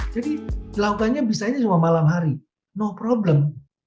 jadi dilakukannya biasanya cuma malam hari no problem